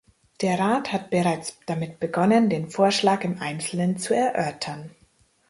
Der Rat hat bereits damit begonnen, den Vorschlag im Einzelnen zu erörtern.